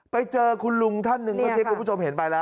ไปเจอคุณลุงท่านนึงว่าเจอคุณผู้ชมเห็นไปแล้ว